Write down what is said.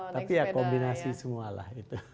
tapi ya kombinasi semua lah